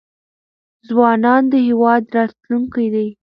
ځوانان د هیواد راتلونکی دی.